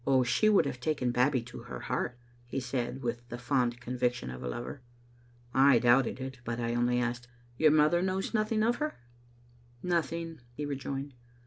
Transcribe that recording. She would have taken Babbie to her heart," he said, with the fond conviction of a lover. I doubted it, but I only asked, " Your mother knows nothing of her?" " Nothing," he rejoined.